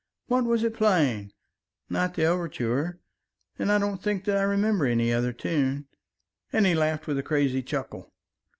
What was it playing? Not the overture and I don't think that I remember any other tune...." And he laughed with a crazy chuckle.